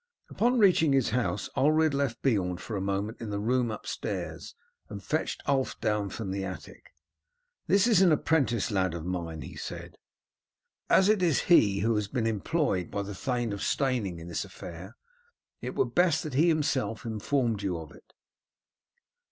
Upon reaching his house Ulred left Beorn for a moment in the room upstairs, and fetched Ulf down from the attic. "This is an apprentice lad of mine," he said, "and as it is he who has been employed by the Thane of Steyning in this affair, it were best that he himself informed you of it."